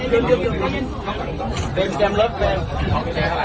และรักษา